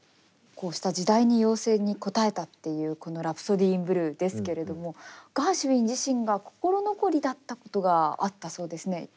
こうした時代に要請に応えたっていうこの「ラプソディー・イン・ブルー」ですけれどもガーシュウィン自身が心残りだったことがあったそうですね。